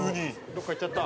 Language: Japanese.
どっか行っちゃった。